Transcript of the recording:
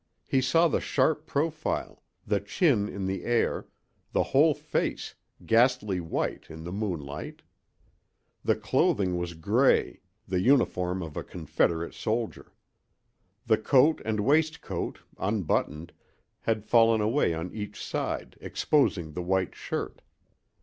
He saw the sharp profile, the chin in the air, the whole face, ghastly white in the moonlight. The clothing was gray, the uniform of a Confederate soldier. The coat and waistcoat, unbuttoned, had fallen away on each side, exposing the white shirt.